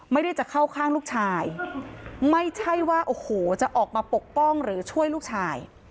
ไม่ได้จะเข้าข้างลูกชายไม่ใช่ว่าโอ้โหจะออกมาปกป้องหรือช่วยลูกชาย